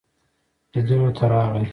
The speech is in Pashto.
لیدلو ته راغی.